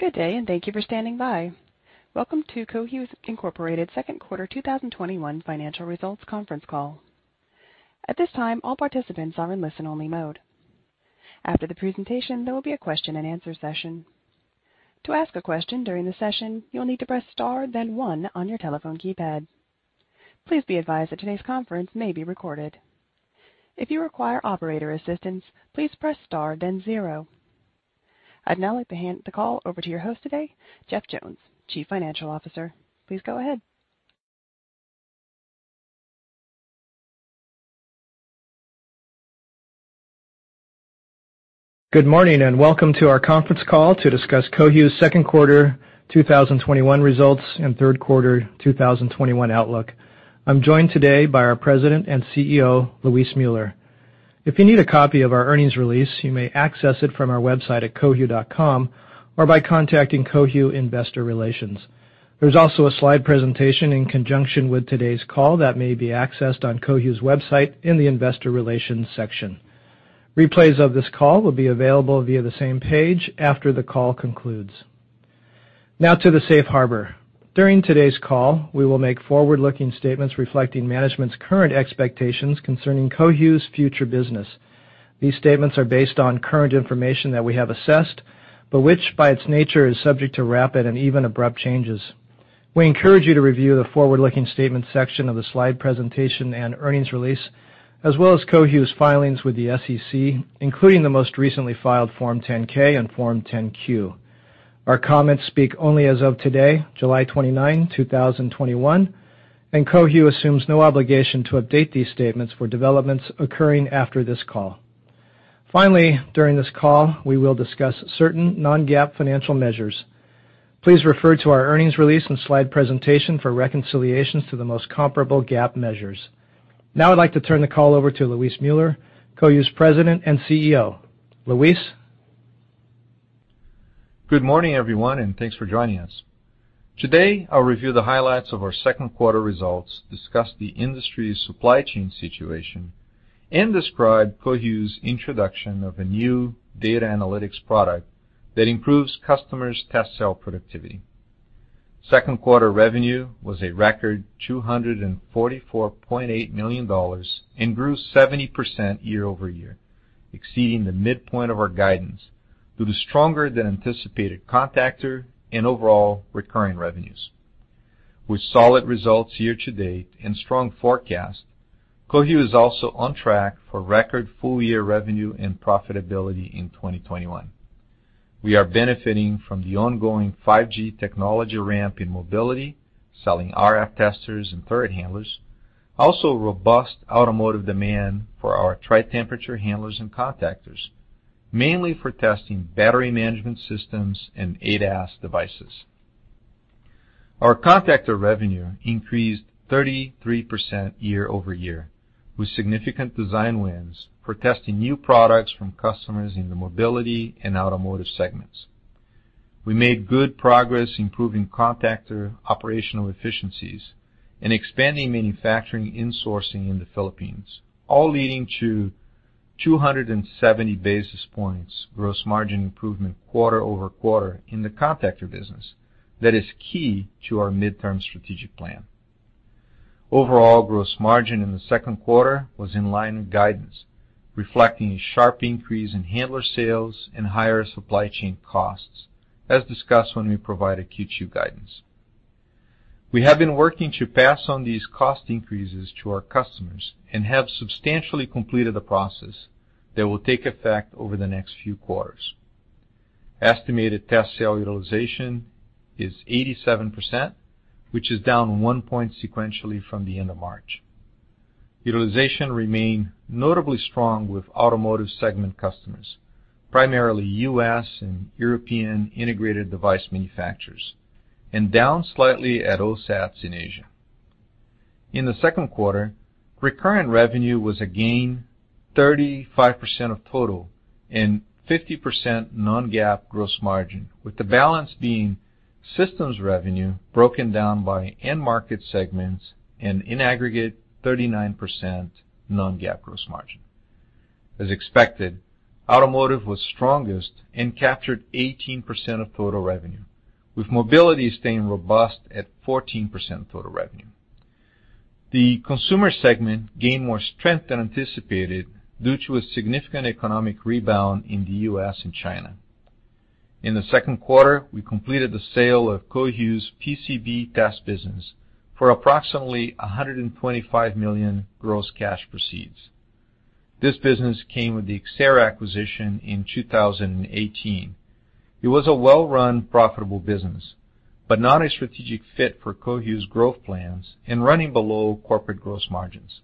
Good day, and thank you for standing by. Welcome to Cohu, Inc.'s second quarter 2021 financial results conference call. At this time, all participants are in listen-only mode. After the presentation, there will be a question and answer session. I'd now like to hand the call over to your host today, Jeff Jones, Chief Financial Officer. Please go ahead. Good morning, welcome to our conference call to discuss Cohu's second quarter 2021 results and third quarter 2021 outlook. I'm joined today by our President and CEO, Luis Müller. If you need a copy of our earnings release, you may access it from our website at cohu.com or by contacting Cohu Investor Relations. There's also a slide presentation in conjunction with today's call that may be accessed on Cohu's website in the investor relations section. Replays of this call will be available via the same page after the call concludes. Now to the safe harbor. During today's call, we will make forward-looking statements reflecting management's current expectations concerning Cohu's future business. These statements are based on current information that we have assessed, but which, by its nature, is subject to rapid and even abrupt changes. We encourage you to review the forward-looking statements section of the slide presentation and earnings release, as well as Cohu's filings with the SEC, including the most recently filed Form 10-K and Form 10-Q. Our comments speak only as of today, July 29, 2021, and Cohu assumes no obligation to update these statements for developments occurring after this call. Finally, during this call, we will discuss certain non-GAAP financial measures. Please refer to our earnings release and slide presentation for reconciliations to the most comparable GAAP measures. Now I'd like to turn the call over to Luis Müller, Cohu's President and CEO. Luis? Good morning, everyone, and thanks for joining us. Today, I'll review the highlights of our second quarter results, discuss the industry's supply chain situation, and describe Cohu's introduction of a new data analytics product that improves customers' test cell productivity. Second quarter revenue was a record $244.8 million and grew 70% year-over-year, exceeding the midpoint of our guidance due to stronger than anticipated contactor and overall recurring revenues. With solid results year to date and strong forecast, Cohu is also on track for record full year revenue and profitability in 2021. We are benefiting from the ongoing 5G technology ramp in mobility, selling RF testers and turret handlers, also robust automotive demand for our tri-temperature handlers and contactors, mainly for testing battery management systems and ADAS devices. Our contactor revenue increased 33% year-over-year, with significant design wins for testing new products from customers in the mobility and automotive segments. We made good progress improving contactor operational efficiencies and expanding manufacturing insourcing in the Philippines, all leading to 270 basis points gross margin improvement quarter-over-quarter in the contactor business that is key to our midterm strategic plan. Overall gross margin in the second quarter was in line with guidance, reflecting a sharp increase in handler sales and higher supply chain costs, as discussed when we provided Q2 guidance. We have been working to pass on these cost increases to our customers and have substantially completed the process that will take effect over the next few quarters. Estimated test sale utilization is 87%, which is down one point sequentially from the end of March. Utilization remained notably strong with automotive segment customers, primarily U.S. and European integrated device manufacturers, and down slightly at OSATs in Asia. In the second quarter, recurrent revenue was again 35% of total and 50% non-GAAP gross margin, with the balance being systems revenue broken down by end market segments and in aggregate 39% non-GAAP gross margin. As expected, automotive was strongest and captured 18% of total revenue, with mobility staying robust at 14% total revenue. The consumer segment gained more strength than anticipated due to a significant economic rebound in the U.S. and China. In the second quarter, we completed the sale of Cohu's PCB test business for approximately $125 million gross cash proceeds. This business came with the Xcerra acquisition in 2018. It was a well-run, profitable business, but not a strategic fit for Cohu's growth plans and running below corporate gross margins.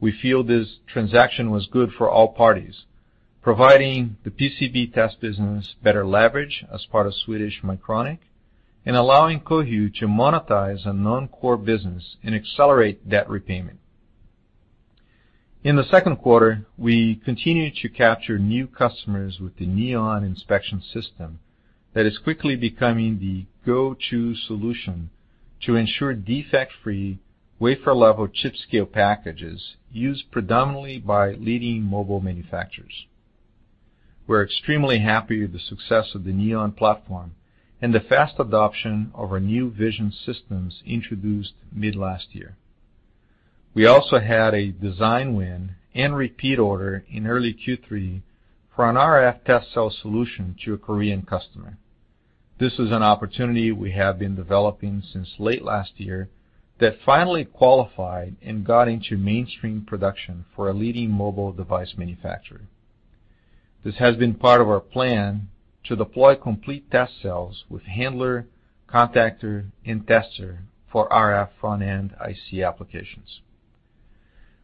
We feel this transaction was good for all parties, providing the PCB test business better leverage as part of Swedish Mycronic and allowing Cohu to monetize a non-core business and accelerate debt repayment. In the second quarter, we continued to capture new customers with the Neon inspection system that is quickly becoming the go-to solution to ensure defect-free wafer-level chip-scale packages used predominantly by leading mobile manufacturers. We're extremely happy with the success of the Neon platform and the fast adoption of our new vision systems introduced mid last year. We also had a design win and repeat order in early Q3 for an RF test cell solution to a Korean customer. This is an opportunity we have been developing since late last year that finally qualified and got into mainstream production for a leading mobile device manufacturer. This has been part of our plan to deploy complete test cells with handler, contactor, and tester for RF front-end IC applications.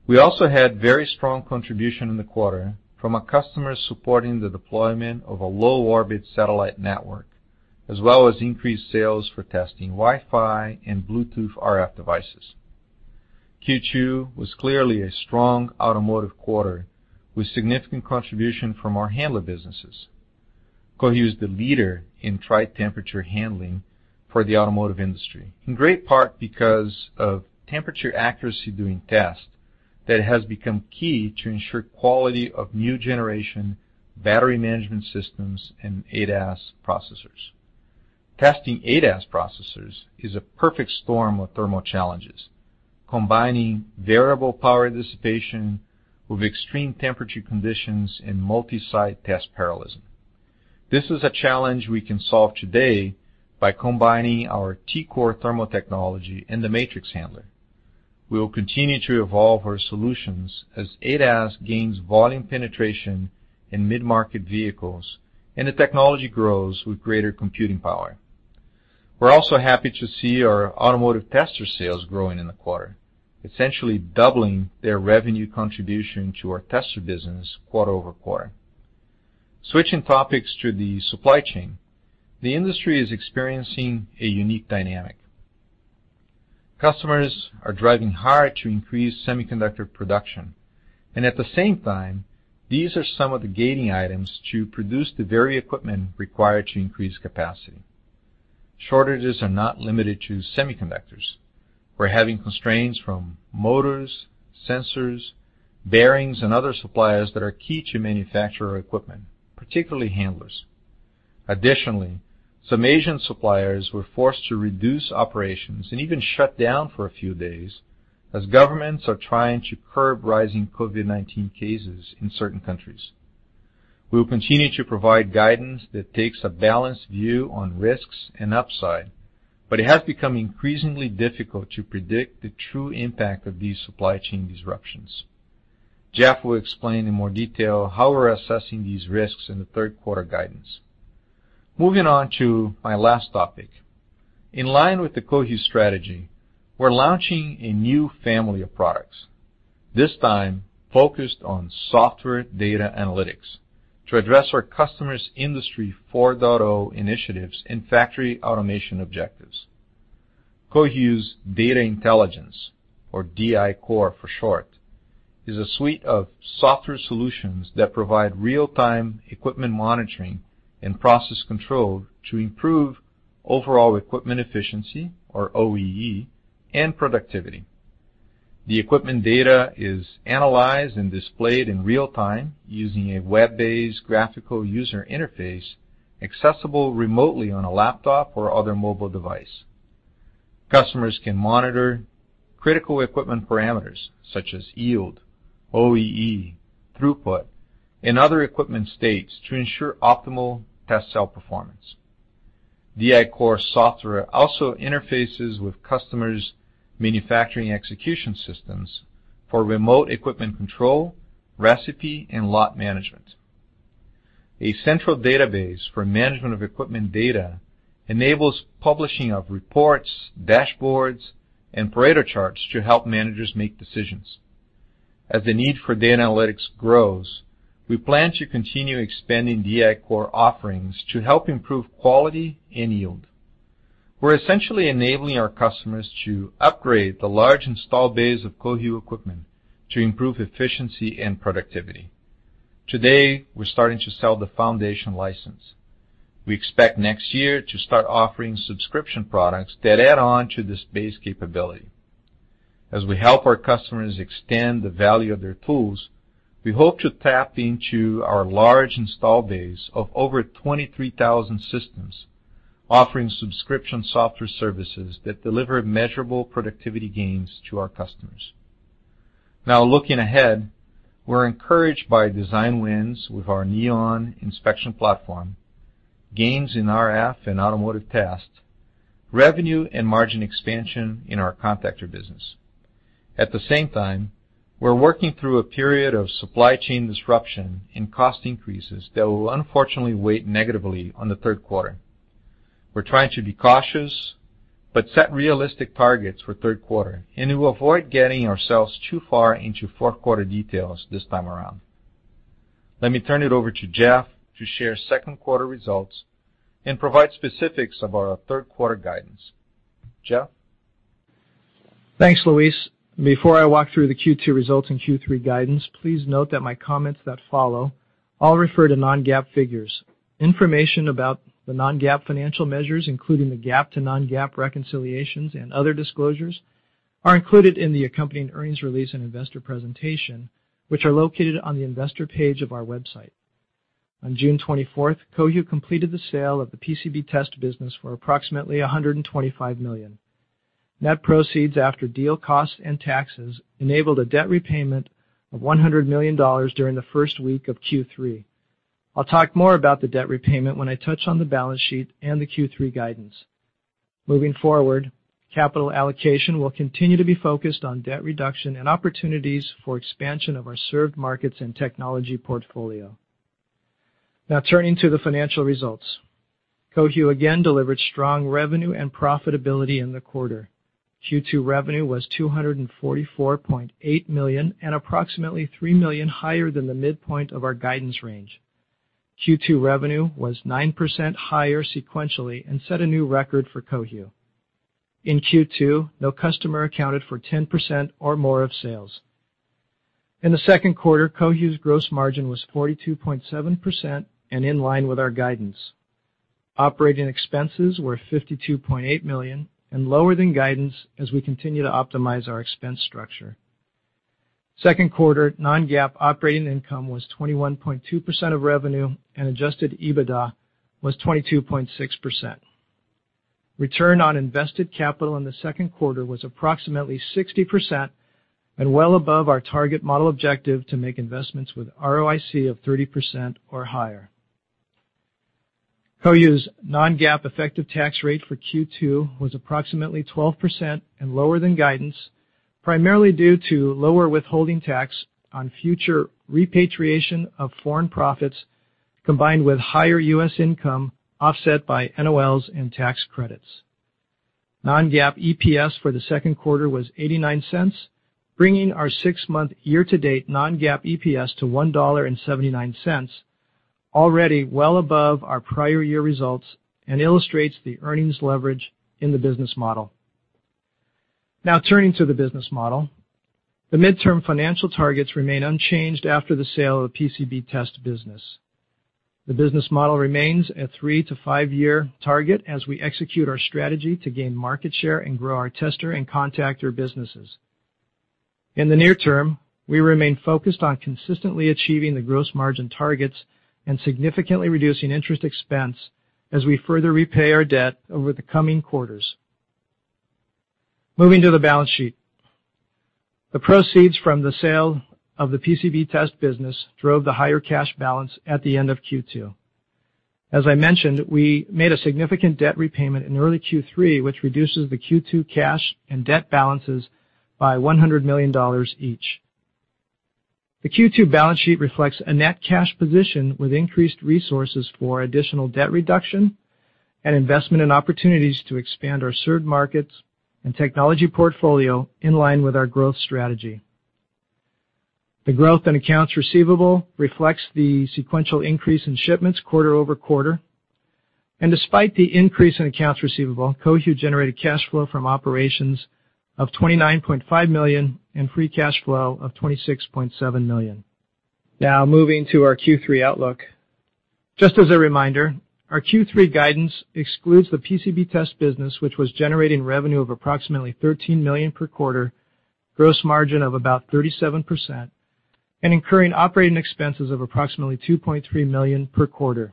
We also had very strong contribution in the quarter from a customer supporting the deployment of a low orbit satellite network, as well as increased sales for testing Wi-Fi and Bluetooth RF devices. Q2 was clearly a strong automotive quarter with significant contribution from our handler businesses. Cohu is the leader in tri-temperature handling for the automotive industry, in great part because of temperature accuracy during test that has become key to ensure quality of new generation battery management systems and ADAS processors. Testing ADAS processors is a perfect storm of thermal challenges, combining variable power dissipation with extreme temperature conditions in multi-site test parallelism. This is a challenge we can solve today by combining our T-Core thermal technology and the MATRiX handler. We will continue to evolve our solutions as ADAS gains volume penetration in mid-market vehicles and the technology grows with greater computing power. We're also happy to see our automotive tester sales growing in the quarter, essentially doubling their revenue contribution to our tester business quarter-over-quarter. Switching topics to the supply chain, the industry is experiencing a unique dynamic. Customers are driving hard to increase semiconductor production, at the same time, these are some of the gating items to produce the very equipment required to increase capacity. Shortages are not limited to semiconductors. We're having constraints from motors, sensors, bearings, and other suppliers that are key to manufacture our equipment, particularly handlers. Additionally, some Asian suppliers were forced to reduce operations and even shut down for a few days as governments are trying to curb rising COVID-19 cases in certain countries. We will continue to provide guidance that takes a balanced view on risks and upside, but it has become increasingly difficult to predict the true impact of these supply chain disruptions. Jeff will explain in more detail how we're assessing these risks in the third quarter guidance. Moving on to my last topic. In line with the Cohu strategy, we're launching a new family of products, this time focused on software data analytics to address our customers' Industry 4.0 initiatives and factory automation objectives. Cohu's Data Intelligence, or DI-Core for short, is a suite of software solutions that provide real-time equipment monitoring and process control to improve overall equipment efficiency, or OEE, and productivity. The equipment data is analyzed and displayed in real time using a web-based graphical user interface accessible remotely on a laptop or other mobile device. Customers can monitor critical equipment parameters such as yield, OEE, throughput, and other equipment states to ensure optimal test cell performance. DI-Core software also interfaces with customers' manufacturing execution systems for remote equipment control, recipe, and lot management. A central database for management of equipment data enables publishing of reports, dashboards, and Pareto charts to help managers make decisions. As the need for data analytics grows, we plan to continue expanding DI-Core offerings to help improve quality and yield. We're essentially enabling our customers to upgrade the large installed base of Cohu equipment to improve efficiency and productivity. Today, we're starting to sell the foundation license. We expect next year to start offering subscription products that add on to this base capability. As we help our customers extend the value of their tools, we hope to tap into our large installed base of over 23,000 systems, offering subscription software services that deliver measurable productivity gains to our customers. Looking ahead, we're encouraged by design wins with our Neon inspection platform, gains in RF and automotive test, revenue and margin expansion in our contactor business. At the same time, we're working through a period of supply chain disruption and cost increases that will unfortunately weigh negatively on the third quarter. We're trying to be cautious but set realistic targets for third quarter, and we will avoid getting ourselves too far into fourth quarter details this time around. Let me turn it over to Jeff to share second quarter results and provide specifics about our third quarter guidance. Jeff? Thanks, Luis. Before I walk through the Q2 results and Q3 guidance, please note that my comments that follow all refer to non-GAAP figures. Information about the non-GAAP financial measures, including the GAAP to non-GAAP reconciliations and other disclosures, are included in the accompanying earnings release and investor presentation, which are located on the investor page of our website. On June 24th, Cohu completed the sale of the PCB test business for approximately $125 million. Net proceeds after deal costs and taxes enabled a debt repayment of $100 million during the first week of Q3. I'll talk more about the debt repayment when I touch on the balance sheet and the Q3 guidance. Moving forward, capital allocation will continue to be focused on debt reduction and opportunities for expansion of our served markets and technology portfolio. Now, turning to the financial results. Cohu again delivered strong revenue and profitability in the quarter. Q2 revenue was $244.8 million, and approximately $3 million higher than the midpoint of our guidance range. Q2 revenue was 9% higher sequentially and set a new record for Cohu. In Q2, no customer accounted for 10% or more of sales. In the second quarter, Cohu's gross margin was 42.7% and in line with our guidance. Operating expenses were $52.8 million and lower than guidance as we continue to optimize our expense structure. Second quarter non-GAAP operating income was 21.2% of revenue, and adjusted EBITDA was 22.6%. Return on invested capital in the second quarter was approximately 60%, and well above our target model objective to make investments with ROIC of 30% or higher. Cohu's non-GAAP effective tax rate for Q2 was approximately 12% and lower than guidance, primarily due to lower withholding tax on future repatriation of foreign profits, combined with higher U.S. income offset by NOLs and tax credits. Non-GAAP EPS for the second quarter was $0.89, bringing our six-month year-to-date non-GAAP EPS to $1.79, already well above our prior year results and illustrates the earnings leverage in the business model. Now turning to the business model. The midterm financial targets remain unchanged after the sale of the PCB test business. The business model remains a three- to five-year target as we execute our strategy to gain market share and grow our tester and contactor businesses. In the near term, we remain focused on consistently achieving the gross margin targets and significantly reducing interest expense as we further repay our debt over the coming quarters. Moving to the balance sheet. The proceeds from the sale of the PCB test business drove the higher cash balance at the end of Q2. As I mentioned, we made a significant debt repayment in early Q3, which reduces the Q2 cash and debt balances by $100 million each. The Q2 balance sheet reflects a net cash position with increased resources for additional debt reduction and investment in opportunities to expand our served markets and technology portfolio in line with our growth strategy. The growth in accounts receivable reflects the sequential increase in shipments quarter-over-quarter. Despite the increase in accounts receivable, Cohu generated cash flow from operations of $29.5 million and free cash flow of $26.7 million. Now, moving to our Q3 outlook. Just as a reminder, our Q3 guidance excludes the PCB test business, which was generating revenue of approximately $13 million per quarter, gross margin of about 37%, and incurring operating expenses of approximately $2.3 million per quarter.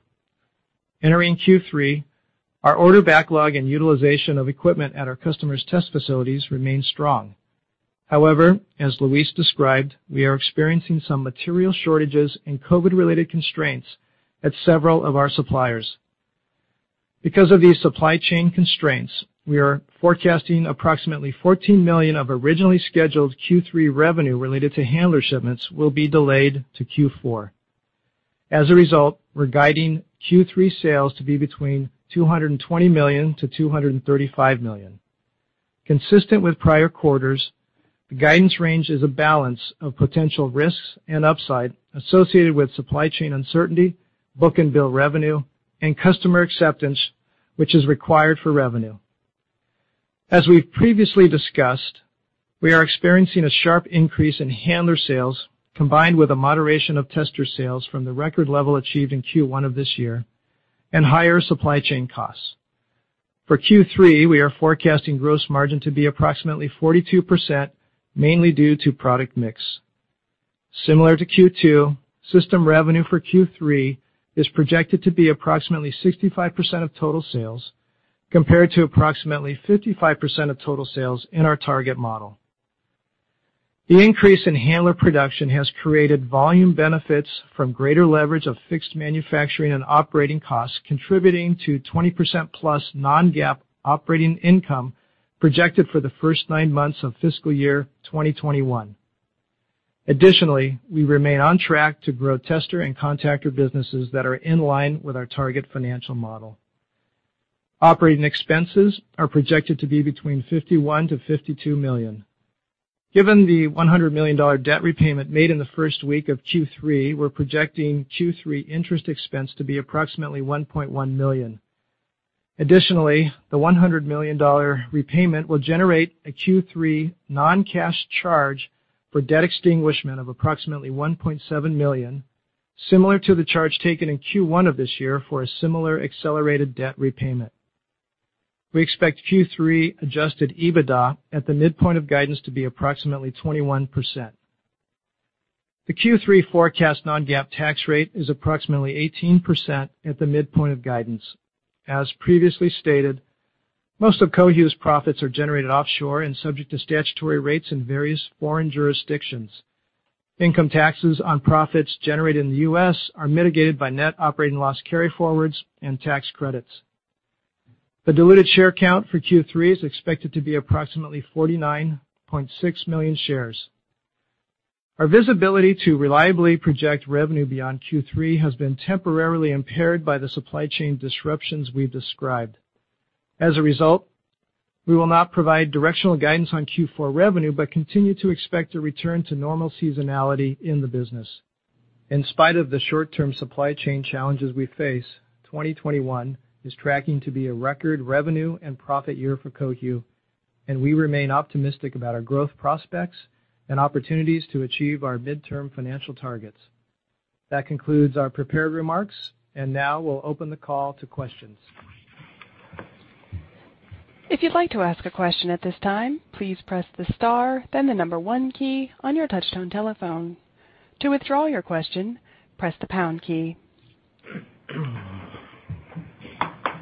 Entering Q3, our order backlog and utilization of equipment at our customers' test facilities remain strong. As Luis described, we are experiencing some material shortages and COVID-related constraints at several of our suppliers. Because of these supply chain constraints, we are forecasting approximately $14 million of originally scheduled Q3 revenue related to handler shipments will be delayed to Q4. As a result, we're guiding Q3 sales to be between $220 million-$235 million. Consistent with prior quarters, the guidance range is a balance of potential risks and upside associated with supply chain uncertainty, book and bill revenue, and customer acceptance, which is required for revenue. As we've previously discussed, we are experiencing a sharp increase in handler sales, combined with a moderation of tester sales from the record level achieved in Q1 of this year, and higher supply chain costs. For Q3, we are forecasting gross margin to be approximately 42%, mainly due to product mix. Similar to Q2, system revenue for Q3 is projected to be approximately 65% of total sales, compared to approximately 55% of total sales in our target model. The increase in handler production has created volume benefits from greater leverage of fixed manufacturing and operating costs, contributing to 20% plus non-GAAP operating income projected for the first nine months of fiscal year 2021. Additionally, we remain on track to grow tester and contactor businesses that are in line with our target financial model. Operating expenses are projected to be between $51 million-$52 million. Given the $100 million debt repayment made in the first week of Q3, we're projecting Q3 interest expense to be approximately $1.1 million. Additionally, the $100 million repayment will generate a Q3 non-cash charge for debt extinguishment of approximately $1.7 million, similar to the charge taken in Q1 of this year for a similar accelerated debt repayment. We expect Q3 adjusted EBITDA at the midpoint of guidance to be approximately 21%. The Q3 forecast non-GAAP tax rate is approximately 18% at the midpoint of guidance. As previously stated, most of Cohu's profits are generated offshore and subject to statutory rates in various foreign jurisdictions. Income taxes on profits generated in the U.S. are mitigated by net operating loss carryforwards and tax credits. The diluted share count for Q3 is expected to be approximately 49.6 million shares. Our visibility to reliably project revenue beyond Q3 has been temporarily impaired by the supply chain disruptions we've described. As a result, we will not provide directional guidance on Q4 revenue but continue to expect a return to normal seasonality in the business. In spite of the short-term supply chain challenges we face, 2021 is tracking to be a record revenue and profit year for Cohu, and we remain optimistic about our growth prospects and opportunities to achieve our midterm financial targets. That concludes our prepared remarks, and now we'll open the call to questions.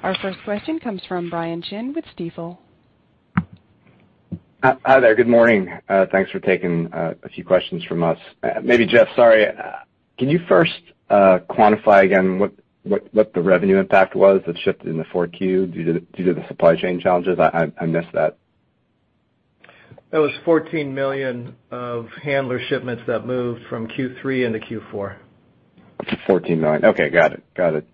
Our first question comes from Brian Chin with Stifel. Hi there. Good morning. Thanks for taking a few questions from us. Maybe Jeff, sorry, can you first quantify again what the revenue impact was that shifted into 4Q due to the supply chain challenges? I missed that. That was 14 million of handler shipments that moved from Q3 into Q4. $14 million. Okay. Got it.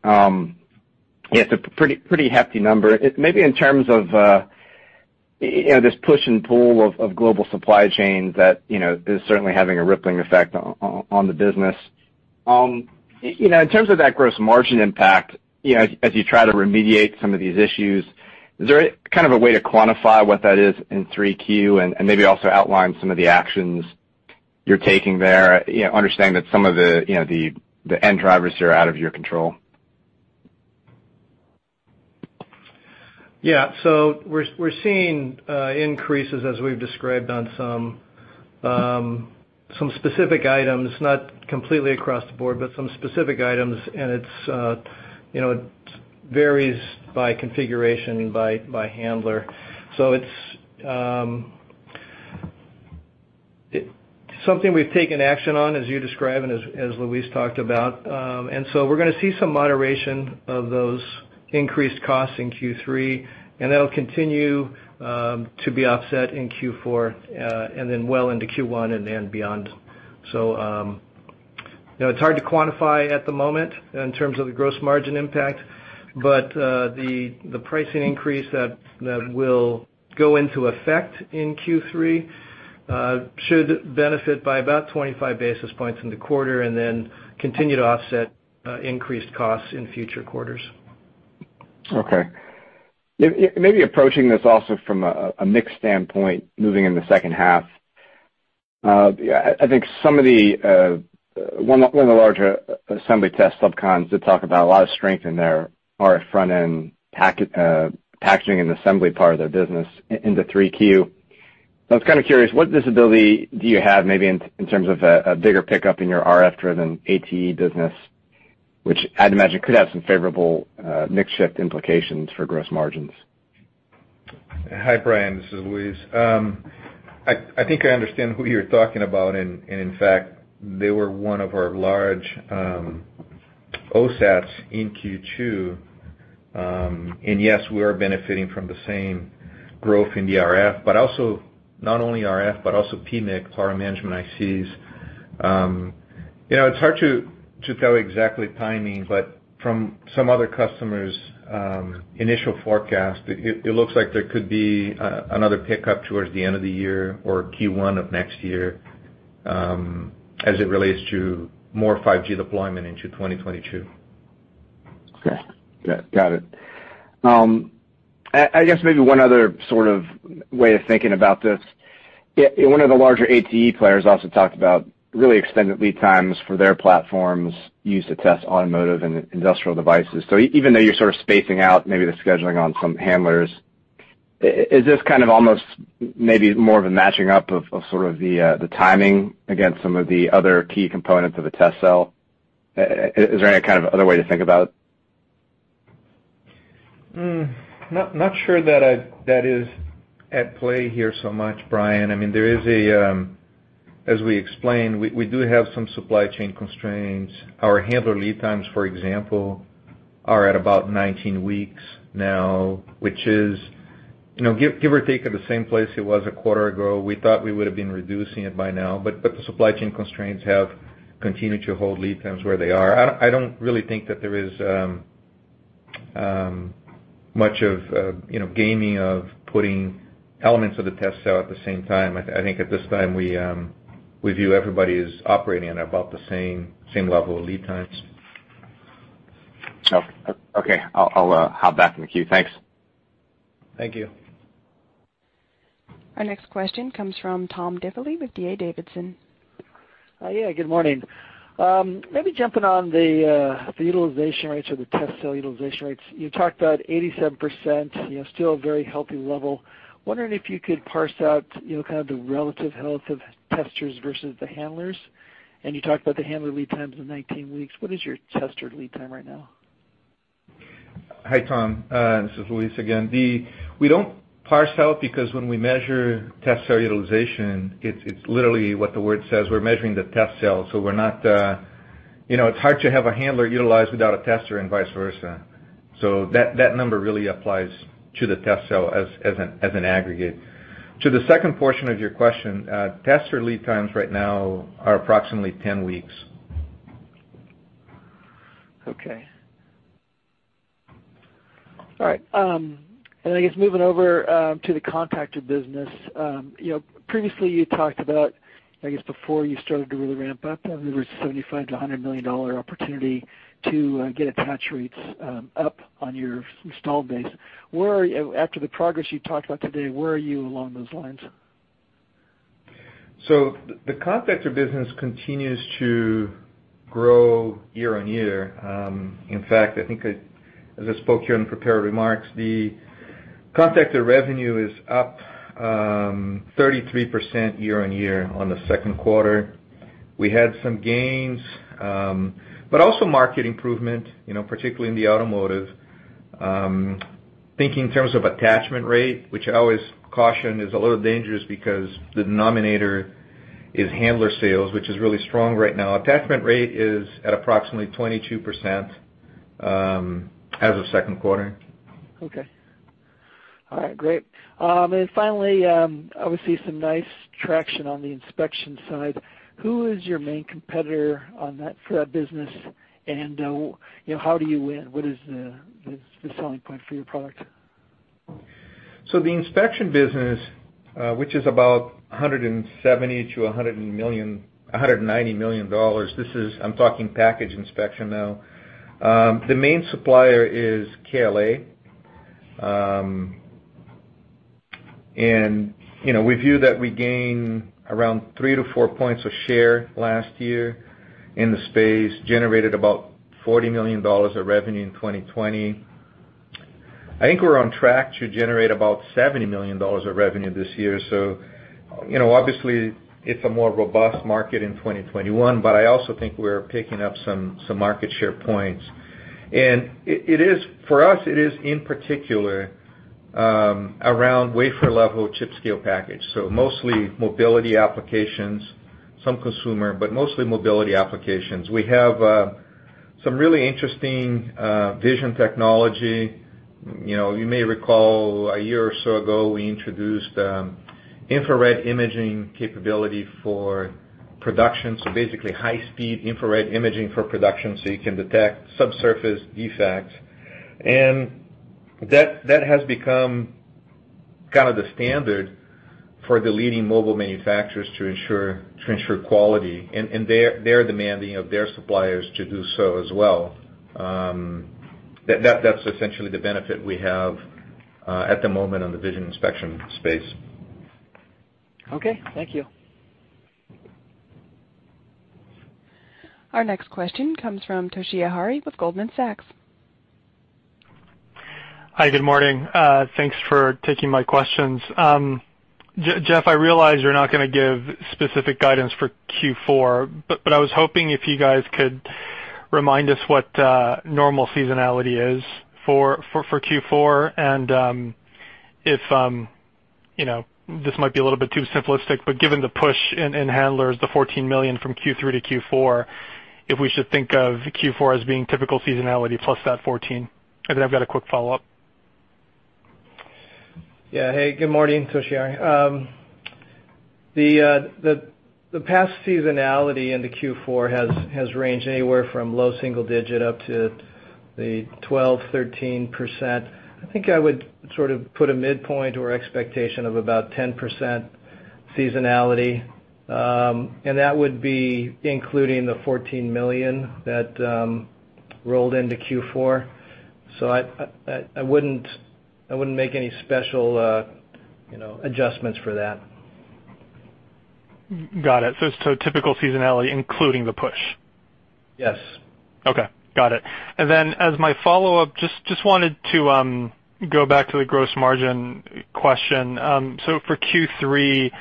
Yeah. It's a pretty hefty number. Maybe in terms of this push and pull of global supply chain that is certainly having a rippling effect on the business. In terms of that gross margin impact, as you try to remediate some of these issues, is there kind of a way to quantify what that is in 3Q and maybe also outline some of the actions you're taking there, understanding that some of the end drivers are out of your control? Yeah. We're seeing increases, as we've described, on some specific items, not completely across the board, but some specific items, and it varies by configuration and by handler. It's something we've taken action on, as you describe, and as Luis talked about. We're going to see some moderation of those increased costs in Q3, and that'll continue to be offset in Q4, and then well into Q1 and then beyond. It's hard to quantify at the moment in terms of the gross margin impact, but the pricing increase that will go into effect in Q3 should benefit by about 25 basis points in the quarter and then continue to offset increased costs in future quarters. Okay. Maybe approaching this also from a mix standpoint, moving in the second half. I think one of the larger assembly test subcons did talk about a lot of strength in their RF front-end packaging and assembly part of their business into 3Q. I was kind of curious, what visibility do you have maybe in terms of a bigger pickup in your RF-driven ATE business, which I'd imagine could have some favorable mix shift implications for gross margins? Hi, Brian. This is Luis. I think I understand who you're talking about, and in fact, they were one of our large OSATs in Q2. Yes, we are benefiting from the same growth in the RF, but also not only RF, but also PMIC, power management ICs. It's hard to tell exactly timing, but from some other customers' initial forecast, it looks like there could be another pickup towards the end of the year or Q1 of next year as it relates to more 5G deployment into 2022. Okay. Got it. I guess maybe one other sort of way of thinking about this. One of the larger ATE players also talked about really extended lead times for their platforms used to test automotive and industrial devices. Even though you're sort of spacing out maybe the scheduling on some handlers, is this kind of almost maybe more of a matching up of sort of the timing against some of the other key components of a test cell? Is there any kind of other way to think about it? Not sure that is at play here so much, Brian. As we explained, we do have some supply chain constraints. Our handler lead times, for example, are at about 19 weeks now, which is give or take, at the same place it was a quarter ago. We thought we would've been reducing it by now, but the supply chain constraints have continued to hold lead times where they are. I don't really think that there is much of gaming of putting elements of the test cell at the same time. I think at this time, we view everybody as operating at about the same level of lead times. Okay. I'll hop back in the queue. Thanks. Thank you. Our next question comes from Tom Diffely with D.A. Davidson. Yeah, good morning. Maybe jumping on the utilization rates or the test cell utilization rates. You talked about 87%, still a very healthy level. Wondering if you could parse out kind of the relative health of testers versus the handlers. You talked about the handler lead times of 19 weeks. What is your tester lead time right now? Hi, Tom. This is Luis again. We don't parse out because when we measure test cell utilization, it's literally what the word says. We're measuring the test cell. It's hard to have a handler utilized without a tester and vice versa. That number really applies to the test cell as an aggregate. To the second portion of your question, tester lead times right now are approximately 10 weeks. Okay. All right. I guess moving over to the contactor business. Previously you talked about, I guess before you started to really ramp up, there was $75 million-$100 million opportunity to get attach rates up on your installed base. After the progress you talked about today, where are you along those lines? The contactor business continues to grow year-on-year. I think as I spoke here in prepared remarks, the contactor revenue is up 33% year-on-year on the second quarter. We had some gains, but also market improvement, particularly in the automotive. Thinking in terms of attachment rate, which I always caution is a little dangerous because the denominator is handler sales, which is really strong right now. Attachment rate is at approximately 22% as of second quarter. Okay. All right, great. Obviously some nice traction on the inspection side. Who is your main competitor for that business, and how do you win? What is the selling point for your product? The inspection business, which is about $170 million-$190 million, I'm talking package inspection now. The main supplier is KLA. We view that we gained around 3-4 points of share last year in the space, generated about $40 million of revenue in 2020. I think we're on track to generate about $70 million of revenue this year. Obviously it's a more robust market in 2021, but I also think we're picking up some market share points. For us, it is in particular around wafer-level chip-scale package. Mostly mobility applications, some consumer, but mostly mobility applications. We have some really interesting vision technology. You may recall a year or so ago, we introduced infrared imaging capability for production. Basically high speed infrared imaging for production, so you can detect subsurface defects. That has become kind of the standard for the leading mobile manufacturers to ensure quality, and they're demanding of their suppliers to do so as well. That's essentially the benefit we have at the moment on the vision inspection space. Okay. Thank you. Our next question comes from Toshiya Hari with Goldman Sachs. Hi, good morning. Thanks for taking my questions. Jeff, I realize you're not going to give specific guidance for Q4, but I was hoping if you guys could remind us what normal seasonality is for Q4, and if, this might be a little bit too simplistic, but given the push in handlers, the $14 million from Q3 to Q4, if we should think of Q4 as being typical seasonality plus that $14 million. I've got a quick follow-up. Yeah. Hey, good morning, Toshiya. The past seasonality into Q4 has ranged anywhere from low single-digit up to the 12%-13%. I think I would sort of put a midpoint or expectation of about 10% seasonality. That would be including the $14 million that rolled into Q4. I wouldn't make any special adjustments for that. Got it. Typical seasonality including the push. Yes. Okay. Got it. As my follow-up, just wanted to go back to the gross margin question. For Q3,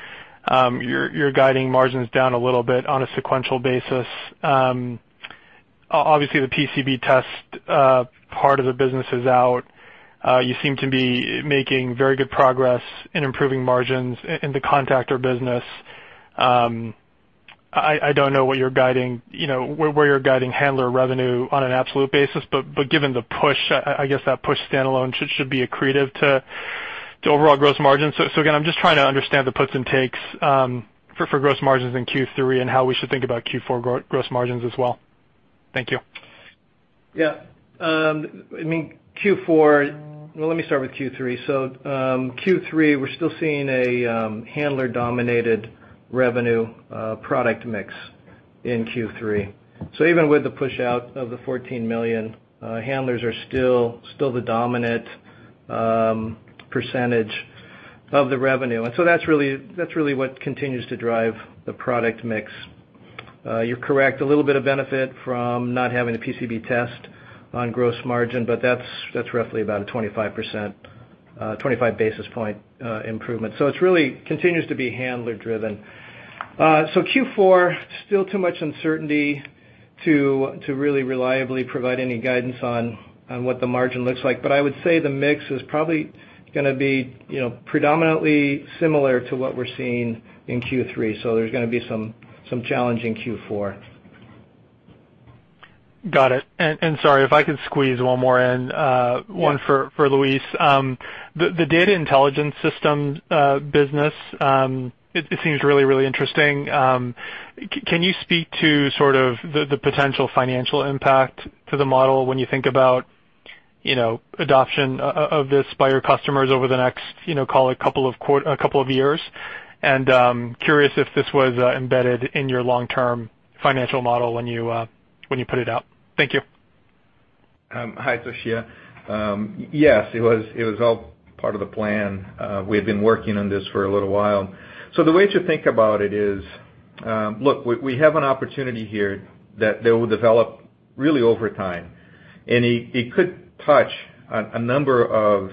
you're guiding margins down a little bit on a sequential basis. Obviously the PCB test part of the business is out. You seem to be making very good progress in improving margins in the contactor business. I don't know where you're guiding handler revenue on an absolute basis, but given the push, I guess that push standalone should be accretive to the overall gross margin. Again, I'm just trying to understand the puts and takes for gross margins in Q3 and how we should think about Q4 gross margins as well. Thank you. Yeah. Let me start with Q3. Q3, we're still seeing a handler-dominated revenue product mix in Q3. Even with the push-out of the $14 million, handlers are still the dominant percentage of the revenue. That's really what continues to drive the product mix. You're correct, a little bit of benefit from not having a PCB test on gross margin, but that's roughly about a 25 basis point improvement. It really continues to be handler driven. Q4, still too much uncertainty to really reliably provide any guidance on what the margin looks like. I would say the mix is probably going to be predominantly similar to what we're seeing in Q3, so there's going to be some challenge in Q4. Got it. Sorry, if I could squeeze one more in. Yes. One for Luis Müller. The DI-Core Data Intelligence System business, it seems really interesting. Can you speak to sort of the potential financial impact to the model when you think about adoption of this by your customers over the next, call it a couple of years, curious if this was embedded in your long-term financial model when you put it out? Thank you. Hi, Toshiya. Yes, it was all part of the plan. We had been working on this for a little while. The way to think about it is, look, we have an opportunity here that will develop really over time, and it could touch a number of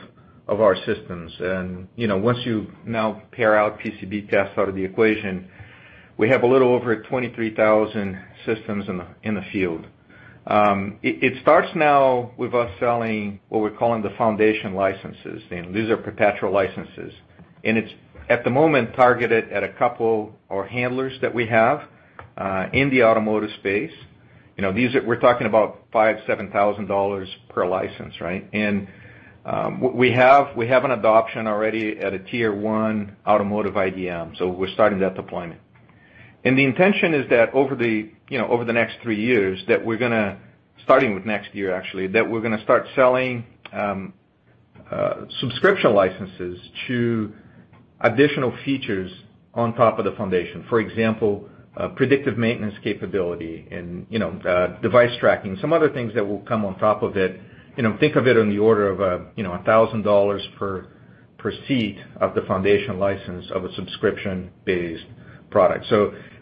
our systems. Once you now pair out PCB tests out of the equation, we have a little over 23,000 systems in the field. It starts now with us selling what we're calling the foundation licenses, and these are perpetual licenses. It's, at the moment, targeted at a couple of handlers that we have in the automotive space. We're talking about $5,000, $7,000 per license, right? We have an adoption already at a tier 1 automotive IDM, so we're starting that deployment. The intention is that over the next three years, starting with next year, actually, that we're going to start selling subscription licenses to additional features on top of the foundation. For example, predictive maintenance capability and device tracking, some other things that will come on top of it. Think of it in the order of $1,000 per seat of the foundation license of a subscription-based product.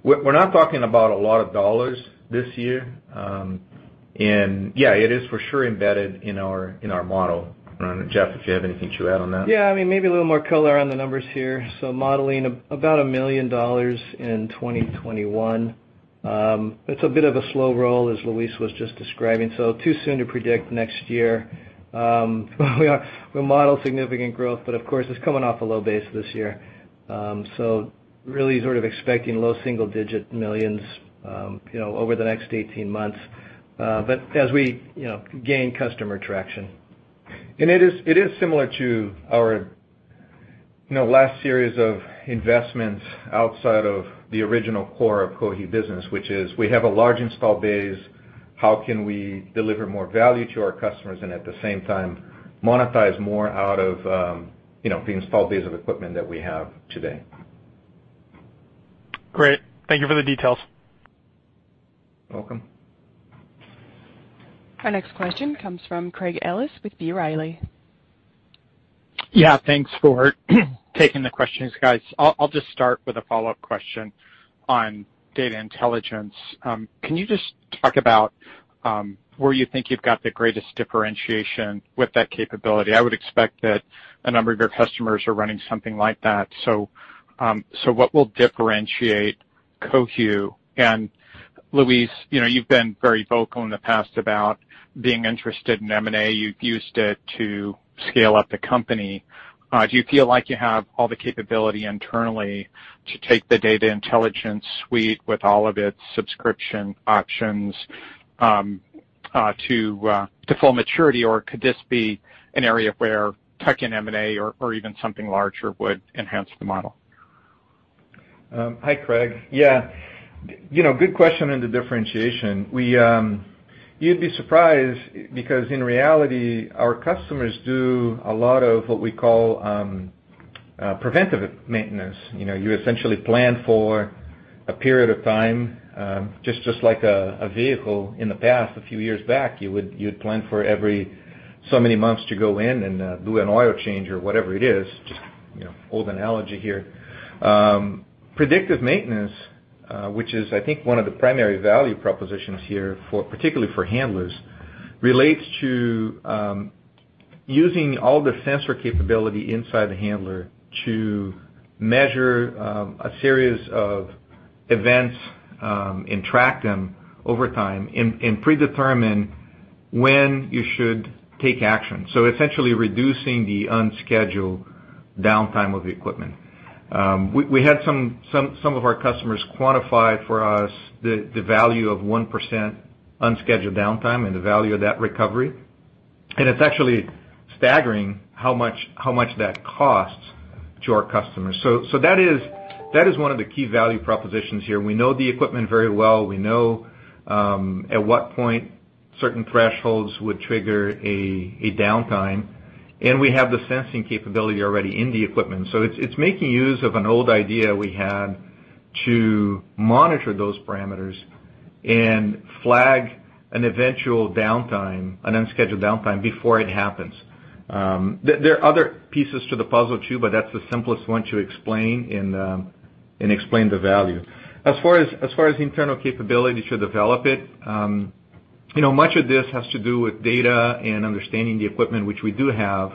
We're not talking about a lot of dollars this year. Yeah, it is for sure embedded in our model. Jeff, if you have anything to add on that. Yeah, maybe a little more color on the numbers here. Modeling about $1 million in 2021. It's a bit of a slow roll, as Luis Müller was just describing, so too soon to predict next year. We model significant growth, but of course, it's coming off a low base this year. Really sort of expecting low single-digit millions over the next 18 months, but as we gain customer traction. It is similar to our last series of investments outside of the original core of Cohu business, which is we have a large install base. How can we deliver more value to our customers and at the same time monetize more out of the install base of equipment that we have today? Great. Thank you for the details. Welcome. Our next question comes from Craig Ellis with B. Riley. Yeah, thanks for taking the questions, guys. I'll just start with a follow-up question on data intelligence. Can you just talk about where you think you've got the greatest differentiation with that capability? I would expect that a number of your customers are running something like that. What will differentiate Cohu? Luis, you've been very vocal in the past about being interested in M&A. You've used it to scale up the company. Do you feel like you have all the capability internally to take the data intelligence suite with all of its subscription options to full maturity, or could this be an area where tuck-in M&A or even something larger would enhance the model? Hi, Craig. Good question into differentiation. You'd be surprised because in reality, our customers do a lot of what we call preventive maintenance. You essentially plan for a period of time, just like a vehicle in the past, a few years back, you'd plan for every so many months to go in and do an oil change or whatever it is, just old analogy here. Predictive maintenance, which is I think one of the primary value propositions here, particularly for handlers, relates to using all the sensor capability inside the handler to measure a series of events, and track them over time, and predetermine when you should take action. Essentially reducing the unscheduled downtime of the equipment. We had some of our customers quantify for us the value of 1% unscheduled downtime and the value of that recovery. It's actually staggering how much that costs to our customers. That is one of the key value propositions here. We know the equipment very well. We know at what point certain thresholds would trigger a downtime, and we have the sensing capability already in the equipment. It's making use of an old idea we had to monitor those parameters and flag an eventual downtime, an unscheduled downtime before it happens. There are other pieces to the puzzle too, but that's the simplest one to explain and explain the value. As far as the internal capability to develop it, much of this has to do with data and understanding the equipment which we do have.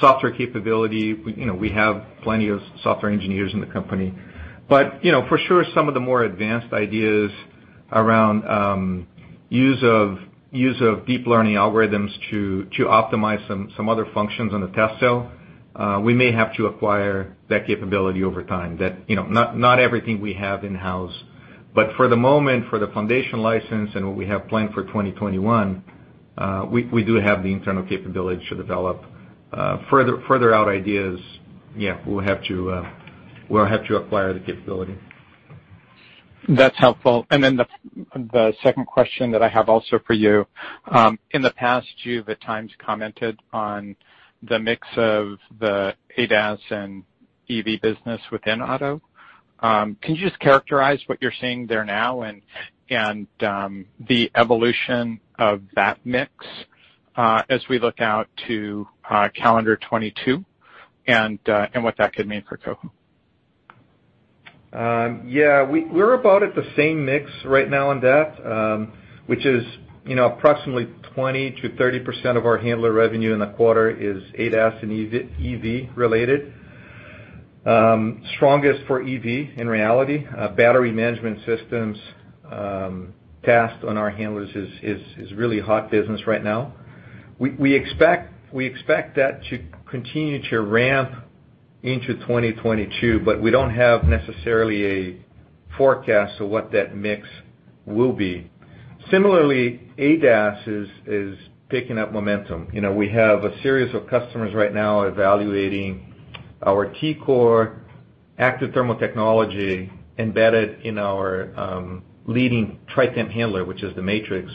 Software capability, we have plenty of software engineers in the company. For sure, some of the more advanced ideas around use of deep learning algorithms to optimize some other functions on the test cell, we may have to acquire that capability over time. Not everything we have in-house. For the moment, for the foundational license and what we have planned for 2021, we do have the internal capability to develop. Further out ideas, yeah, we'll have to acquire the capability. That's helpful. The second question that I have also for you. In the past, you've at times commented on the mix of the ADAS and EV business within auto. Can you just characterize what you're seeing there now and the evolution of that mix as we look out to calendar 2022 and what that could mean for Cohu? We're about at the same mix right now on that, which is approximately 20%-30% of our handler revenue in the quarter is ADAS and EV related. Strongest for EV, in reality. Battery management systems tasked on our handlers is really hot business right now. We expect that to continue to ramp into 2022, we don't have necessarily a forecast of what that mix will be. Similarly, ADAS is picking up momentum. We have a series of customers right now evaluating our T-Core active thermal technology embedded in our leading tri-temp handler, which is the MATRiX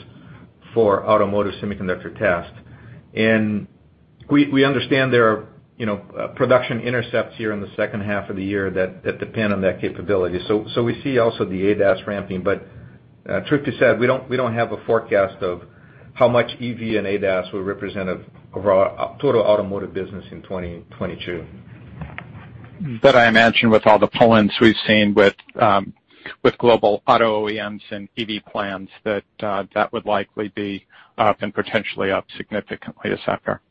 for automotive semiconductor test. We understand there are production intercepts here in the second half of the year that depend on that capability. We see also the ADAS ramping, but truth be said, we don't have a forecast of how much EV and ADAS will represent of our total automotive business in 2022. I imagine with all the pull-ins we've seen with global auto OEMs and EV plans, that that would likely be up and potentially up significantly this sector.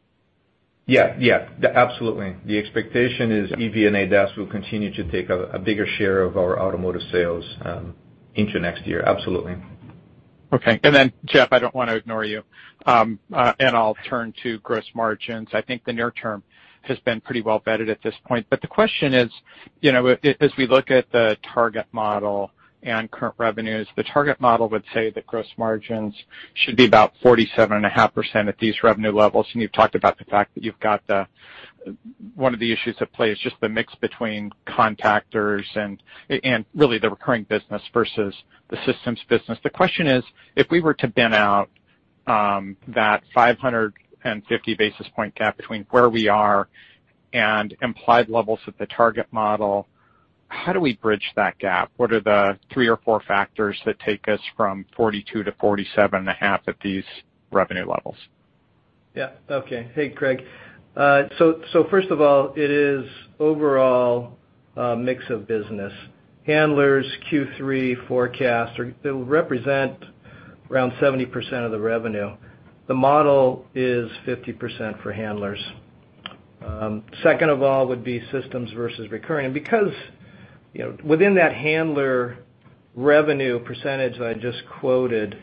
Yeah. Absolutely. The expectation is EV and ADAS will continue to take a bigger share of our automotive sales into next year. Absolutely. Okay. Then, Jeff, I don't want to ignore you. I'll turn to gross margins. I think the near term has been pretty well vetted at this point. The question is, as we look at the target model and current revenues, the target model would say that gross margins should be about 47.5% at these revenue levels, and you've talked about the fact that you've got one of the issues at play is just the mix between contactors and really the recurring business versus the systems business. The question is, if we were to bin out that 550 basis point gap between where we are and implied levels at the target model, how do we bridge that gap? What are the three or four factors that take us from 42%-47.5% at these revenue levels? Yeah. Okay. Hey, Craig. First of all, it is overall a mix of business. Handlers Q3 forecast will represent around 70% of the revenue. The model is 50% for handlers. Second of all would be systems versus recurring. Within that handler revenue percentage that I just quoted,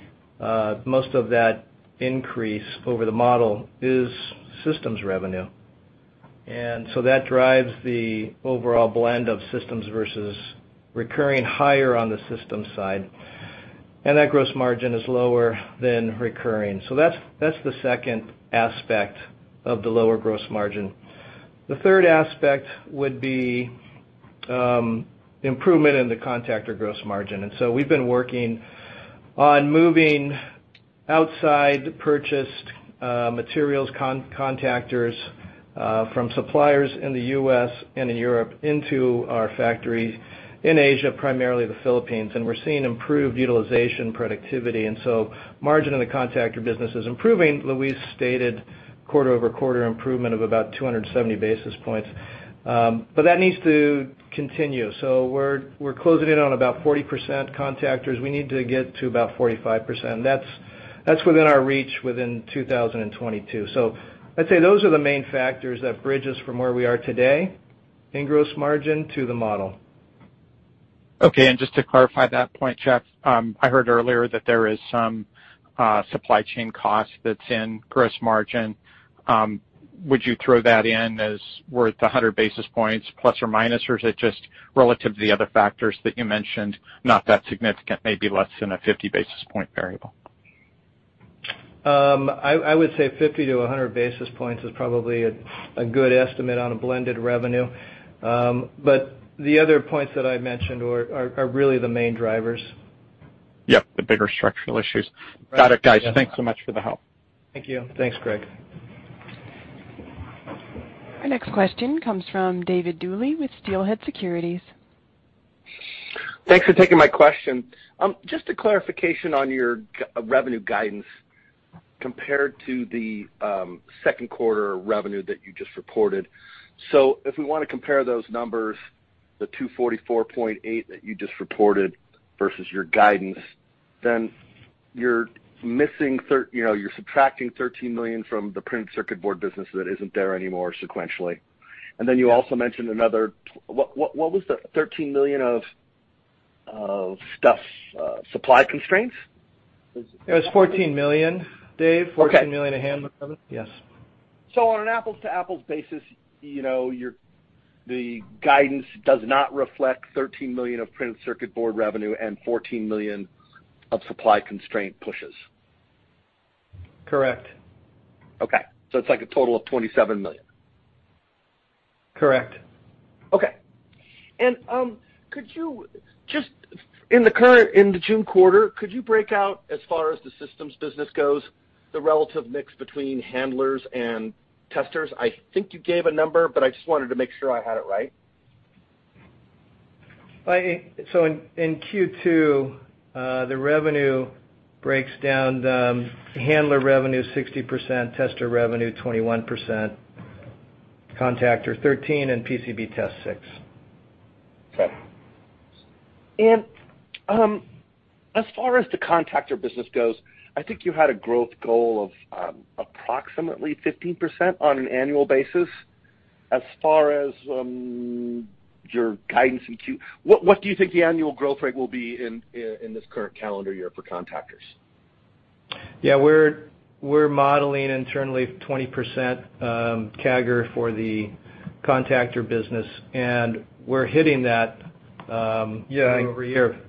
most of that increase over the model is systems revenue. That drives the overall blend of systems versus recurring higher on the systems side. That gross margin is lower than recurring. That's the second aspect of the lower gross margin. The third aspect would be improvement in the contactor gross margin. We've been working on moving outside purchased materials contactors from suppliers in the U.S. and in Europe into our factory in Asia, primarily the Philippines, and we're seeing improved utilization productivity, and so margin in the contactor business is improving. Luis stated quarter-over-quarter improvement of about 270 basis points. That needs to continue. We're closing in on about 40% contactors. We need to get to about 45%. That's within our reach within 2022. I'd say those are the main factors that bridge us from where we are today in gross margin to the model. Okay. Just to clarify that point, Jeff, I heard earlier that there is some supply chain cost that's in gross margin. Would you throw that in as worth 100 basis points, plus or minus? Or is it just relative to the other factors that you mentioned, not that significant, maybe less than a 50 basis point variable? I would say 50 to 100 basis points is probably a good estimate on a blended revenue. The other points that I mentioned are really the main drivers. Yep. The bigger structural issues. Right. Got it, guys. Thanks so much for the help. Thank you. Thanks, Greg. Our next question comes from David Duley with Steelhead Securities. Thanks for taking my question. Just a clarification on your revenue guidance compared to the second quarter revenue that you just reported. If we want to compare those numbers, the $244.8 that you just reported versus your guidance, then you're subtracting $13 million from the printed circuit board business that isn't there anymore sequentially. You also mentioned another, what was the $13 million of stuff? Supply constraints? It was $14 million, Dave. Okay. $14 million in backlog. Yes. On an apples-to-apples basis, the guidance does not reflect $13 million of printed circuit board revenue and $14 million of supply constraint pushes. Correct. Okay. It's like a total of $27 million. Correct. Okay. In the June quarter, could you break out, as far as the systems business goes, the relative mix between handlers and testers? I think you gave a number, but I just wanted to make sure I had it right. In Q2, the revenue breaks down. The handler revenue, 60%, tester revenue 21%, contactor 13%, and PCB test 6%. Okay. As far as the contactor business goes, I think you had a growth goal of approximately 15% on an annual basis. As far as your guidance in Q, what do you think the annual growth rate will be in this current calendar year for contactors? Yeah, we're modeling internally 20% CAGR for the contactor business. Year-over-year. Yeah,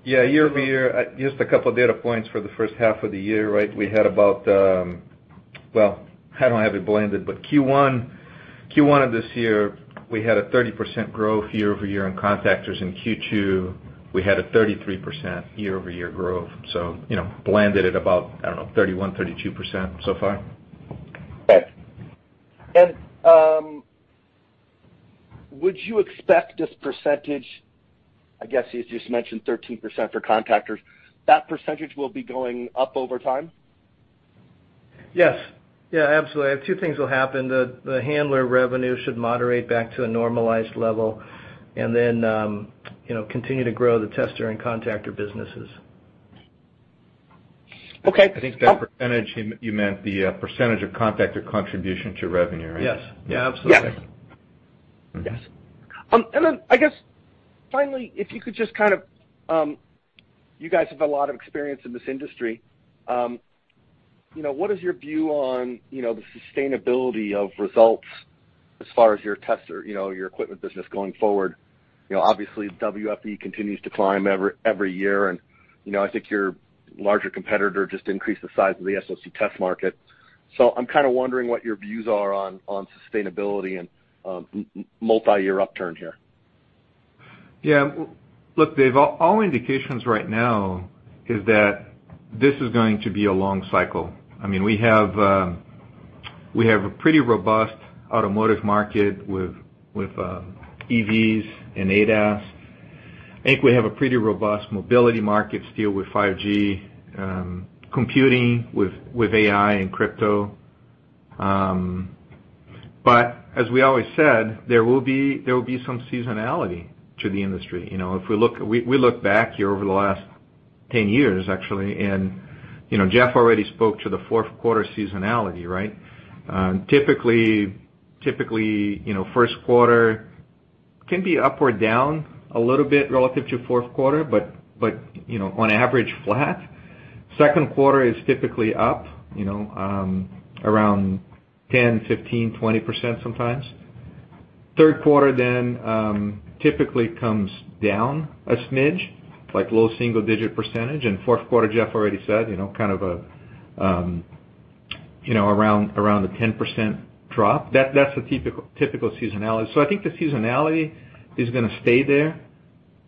year-over-year. Just 2 data points for the first half of the year. We had Well, I don't have it blended, Q1 of this year, we had a 30% growth year-over-year in contactors. Q2, we had a 33% year-over-year growth, blended at about, I don't know, 31%-32% so far. Okay. Would you expect this percentage, I guess you just mentioned 13% for contactors, that percentage will be going up over time? Yes. Absolutely. Two things will happen. The handler revenue should moderate back to a normalized level and then continue to grow the tester and contactor businesses. Okay. I think that percentage, you meant the percentage of contactor contribution to revenue, right? Yes. Absolutely. Yes. Then I guess finally, you guys have a lot of experience in this industry. What is your view on the sustainability of results as far as your tester, your equipment business going forward? Obviously, WFE continues to climb every year, and I think your larger competitor just increased the size of the SoC test market. I'm kind of wondering what your views are on sustainability and multi-year upturn here. Yeah. Look, David, all indications right now is that this is going to be a long cycle. We have a pretty robust automotive market with EVs and ADAS. I think we have a pretty robust mobility market still with 5G, computing with AI and crypto. As we always said, there will be some seasonality to the industry. If we look back here over the last 10 years, actually, and Jeff Jones already spoke to the fourth quarter seasonality. Typically, first quarter can be up or down a little bit relative to fourth quarter, but on average, flat. Second quarter is typically up around 10%, 15%, 20% sometimes. Third quarter then typically comes down a smidge, like low single-digit percentage. Fourth quarter, Jeff Jones already said, kind of around a 10% drop. That's the typical seasonality. I think the seasonality is going to stay there,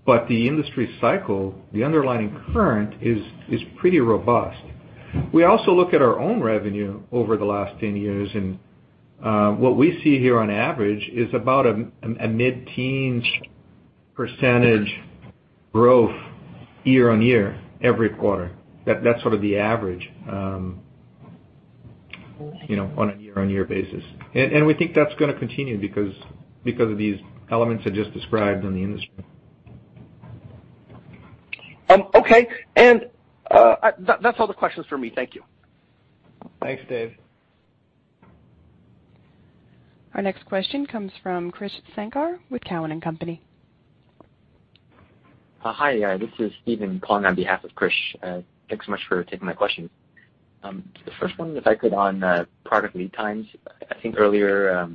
but the industry cycle, the underlying current is pretty robust. We also look at our own revenue over the last 10 years, and what we see here on average is about a mid-teens % growth year-on-year, every quarter. That's sort of the average on a year-on-year basis. We think that's going to continue because of these elements I just described in the industry. Okay. That's all the questions for me. Thank you. Thanks, Dave. Our next question comes from Krish Sankar with Cowen and Company. Hi, this is Steven calling on behalf of Krish. Thanks so much for taking my question. The first one, if I could, on product lead times. I think earlier,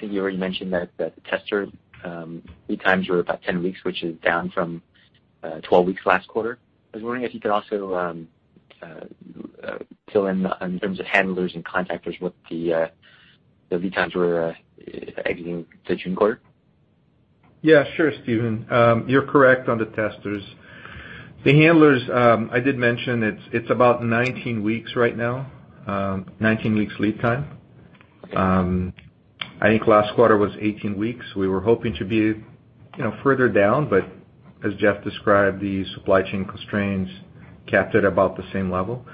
you already mentioned that the tester lead times were about 10 weeks, which is down from 12 weeks last quarter. I was wondering if you could also fill in terms of handlers and contactors, what the lead times were exiting the June quarter. Yeah, sure, Steven. You're correct on the testers. The handlers, I did mention, it's about 19 weeks right now. 19 weeks lead time. I think last quarter was 18 weeks. We were hoping to be further down, as Jeff described, the supply chain constraints kept it about the same level.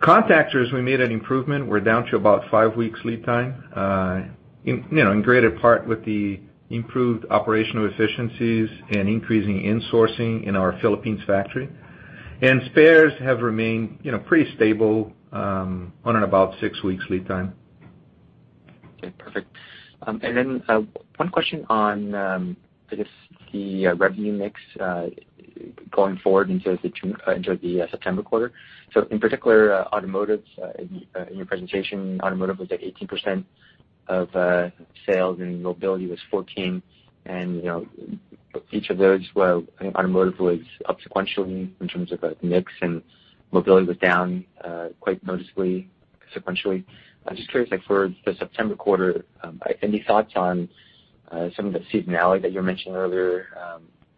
Contactors, we made an improvement. We're down to about five weeks lead time, in greater part with the improved operational efficiencies and increasing insourcing in our Philippines factory. Spares have remained pretty stable, on and about six weeks lead time. Okay, perfect. One question on, I guess, the revenue mix, going forward into the September quarter. In particular, automotive. In your presentation, automotive was at 18% of sales, and mobility was 14%. Each of those, well, automotive was up sequentially in terms of mix, and mobility was down quite noticeably sequentially. I'm just curious, for the September quarter, any thoughts on some of the seasonality that you were mentioning earlier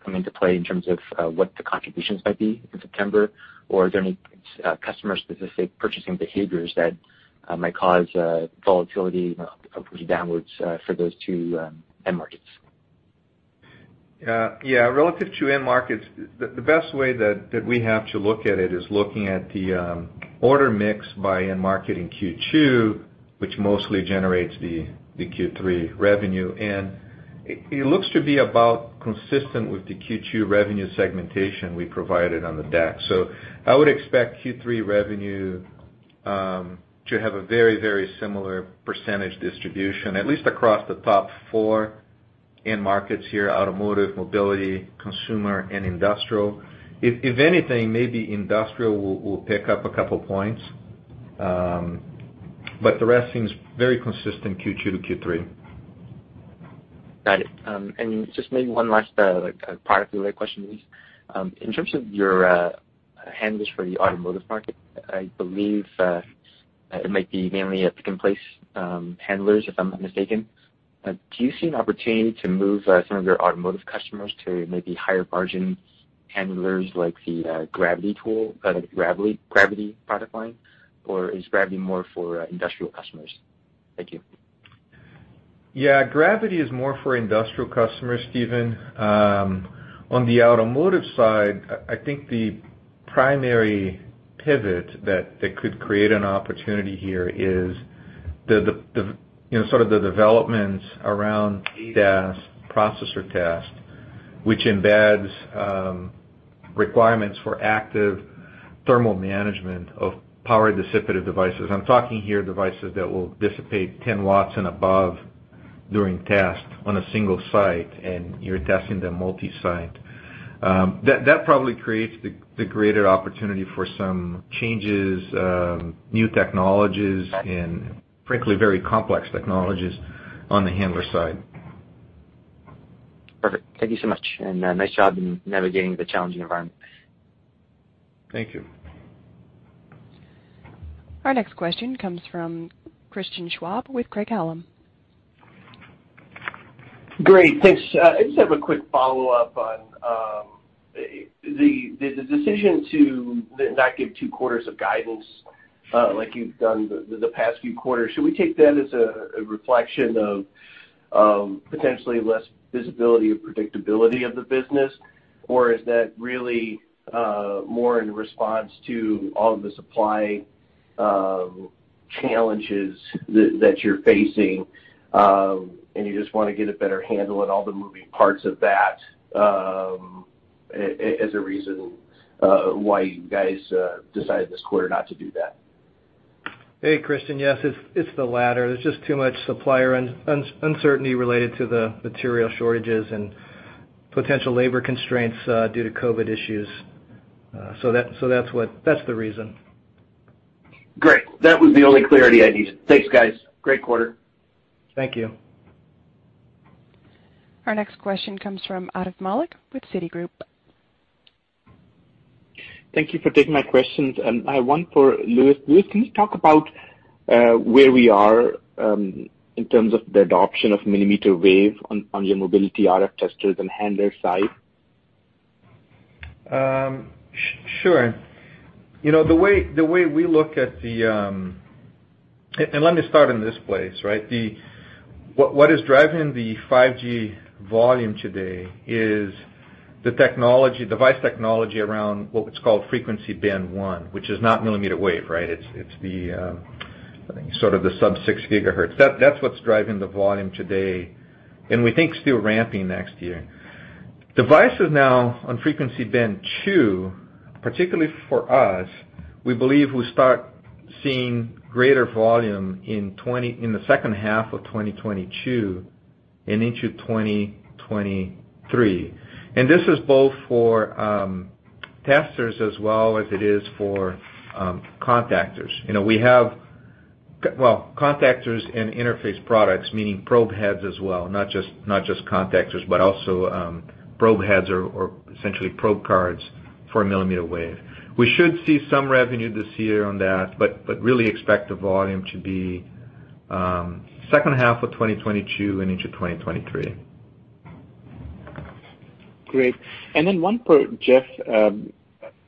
come into play in terms of what the contributions might be in September? Are there any customer-specific purchasing behaviors that might cause volatility upwards or downwards for those two end markets? Yeah. Relative to end markets, the best way that we have to look at it is looking at the order mix by end market in Q2, which mostly generates the Q3 revenue. It looks to be about consistent with the Q2 revenue segmentation we provided on the deck. I would expect Q3 revenue to have a very similar percentage distribution, at least across the top 4 end markets here, automotive, mobility, consumer, and industrial. If anything, maybe industrial will pick up 2 points. The rest seems very consistent Q2 to Q3. Got it. Just maybe 1 last product-related question, Luis. In terms of your handlers for the automotive market, I believe it might be mainly a pick-and-place handlers, if I'm not mistaken. Do you see an opportunity to move some of your automotive customers to maybe higher-margin handlers, like the Gravity, the Gravity product line, or is Gravity more for industrial customers? Thank you. Gravity is more for industrial customers, Steven. On the automotive side, I think the primary pivot that could create an opportunity here is the sort of the developments around ADAS processor tasks, which embeds requirements for active thermal management of power dissipative devices. I'm talking here devices that will dissipate 10 watts and above during test on a single site, and you're testing them multi-site. That probably creates the greater opportunity for some changes, new technologies, and frankly, very complex technologies on the handler side. Perfect. Thank you so much, and nice job in navigating the challenging environment. Thank you. Our next question comes from Christian Schwab with Craig-Hallum. Great. Thanks. I just have a quick follow-up on the decision to not give 2 quarters of guidance like you've done the past few quarters. Should we take that as a reflection of potentially less visibility or predictability of the business? Or is that really more in response to all of the supply challenges that you're facing, and you just want to get a better handle on all the moving parts of that as a reason why you guys decided this quarter not to do that? Hey, Christian. Yes. It's the latter. There's just too much supplier uncertainty related to the material shortages and potential labor constraints due to COVID issues. That's the reason. Great. That was the only clarity I needed. Thanks, guys. Great quarter. Thank you. Our next question comes from Atif Malik with Citigroup. Thank you for taking my questions, and I have one for Luis. Luis, can you talk about where we are in terms of the adoption of millimeter wave on your mobility RF testers and handler side? Sure. Let me start in this place, right? What is driving the 5G volume today is the device technology around what's called Frequency Band 1, which is not millimeter wave, right? It's the sort of the Sub-6 GHz. That's what's driving the volume today. We think still ramping next year. Devices now on Frequency Band 2, particularly for us, we believe we start seeing greater volume in the second half of 2022 and into 2023. This is both for testers as well as it is for contactors. We have contactors and interface products, meaning probe heads as well, not just contactors, but also probe heads or essentially probe cards for millimeter wave. We should see some revenue this year on that. Really expect the volume to be second half of 2022 and into 2023. Great. One for Jeff.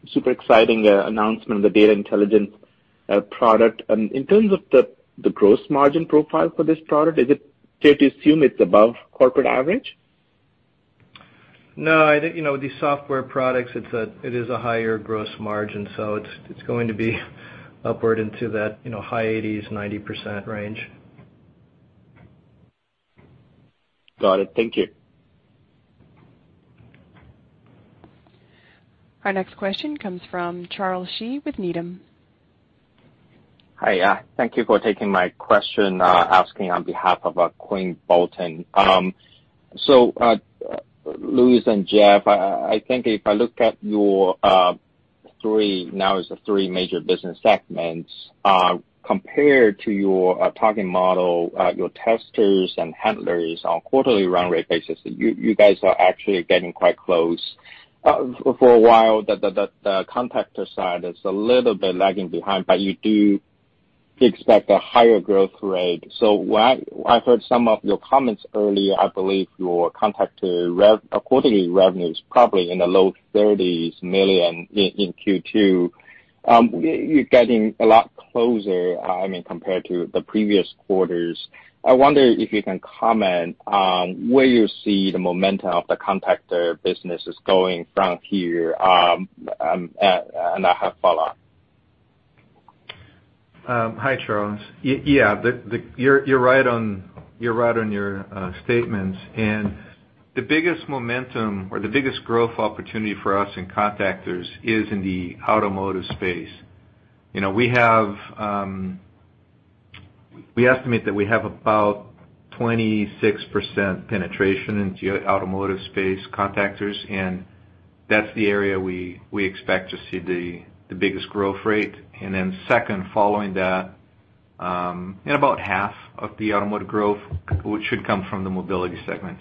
Super exciting announcement of the data intelligence product. In terms of the gross margin profile for this product, is it fair to assume it's above corporate average? No, I think, these software products, it is a higher gross margin, so it's going to be upward into that high 80s, 90% range. Got it. Thank you. Our next question comes from Charles Shi with Needham. Hi. Thank you for taking my question, asking on behalf of Quinn Bolton. Luis and Jeff, I think if I look at your three, now is the three major business segments compared to your target model, your testers and handlers on quarterly run rate basis, you guys are actually getting quite close. For a while, the contactor side is a little bit lagging behind, but you do expect a higher growth rate. I've heard some of your comments earlier, I believe your contactor quarterly revenue is probably in the low $30s million in Q2. You're getting a lot closer, compared to the previous quarters. I wonder if you can comment on where you see the momentum of the contactor business is going from here. I have follow-up. Hi, Charles. Yeah, you're right on your statements. The biggest momentum or the biggest growth opportunity for us in contactors is in the automotive space. We estimate that we have about 26% penetration into automotive space contactors, and that's the area we expect to see the biggest growth rate. Second, following that, in about half of the automotive growth, which should come from the mobility segment.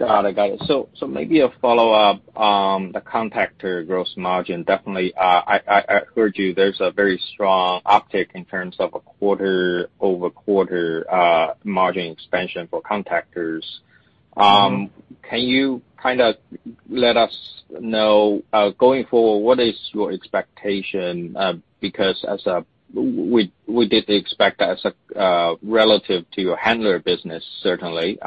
Got it. Maybe a follow-up on the contactor gross margin. Definitely, I heard you, there is a very strong uptick in terms of a quarter-over-quarter margin expansion for contactors. Can you let us know, going forward, what is your expectation? We did expect as relative to your handler business, certainly,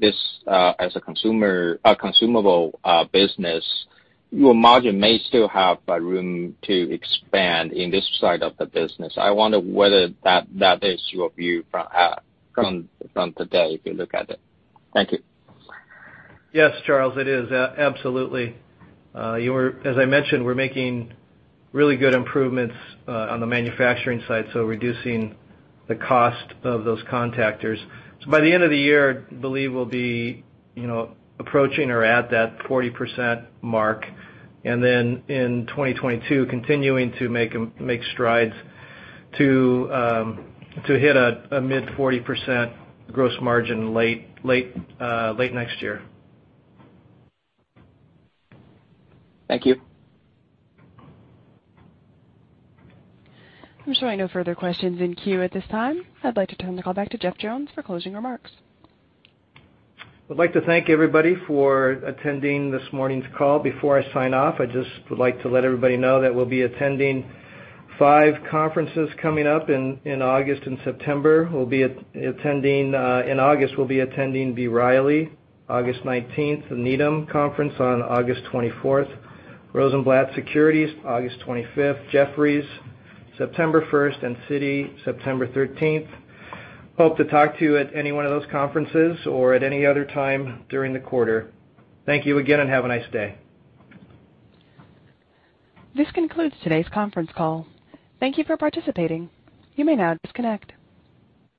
this as a consumable business, your margin may still have a room to expand in this side of the business. I wonder whether that is your view from today, if you look at it. Thank you. Yes, Charles, it is. Absolutely. As I mentioned, we're making really good improvements on the manufacturing side, so reducing the cost of those contactors. By the end of the year, we believe we'll be approaching or at that 40% mark, and then in 2022, continuing to make strides to hit a mid-40% gross margin late next year. Thank you. I'm showing no further questions in queue at this time. I'd like to turn the call back to Jeff Jones for closing remarks. I'd like to thank everybody for attending this morning's call. Before I sign off, I just would like to let everybody know that we'll be attending five conferences coming up in August and September. We'll be attending, in August, we'll be attending B. Riley, August 19th, the Needham Conference on August 24th, Rosenblatt Securities August 25th, Jefferies September 1st, and Citi September 13th. Hope to talk to you at any one of those conferences or at any other time during the quarter. Thank you again, and have a nice day. This concludes today's conference call. Thank you for participating. You may now disconnect.